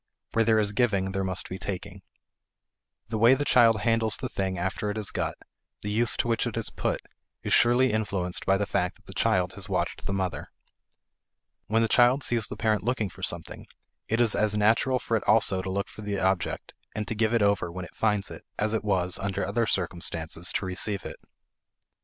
Where there is giving there must be taking. The way the child handles the thing after it is got, the use to which it is put, is surely influenced by the fact that the child has watched the mother. When the child sees the parent looking for something, it is as natural for it also to look for the object and to give it over when it finds it, as it was, under other circumstances, to receive it.